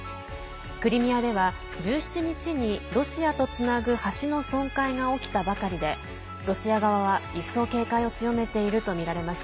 クリミアでは１７日にロシアとつなぐ橋の損壊が起きたばかりでロシア側は一層警戒を強めているとみられます。